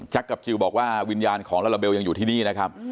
กับจิลบอกว่าวิญญาณของลาลาเบลยังอยู่ที่นี่นะครับ